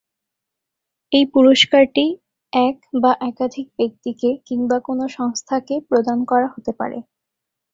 এই পুরস্কারটি এক বা একাধিক ব্যক্তিকে কিংবা কোনো সংস্থাকে প্রদান করা হতে পারে।